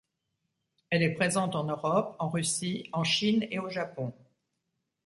Elle est présente en Europe, en Russie, en Chine et au Japon.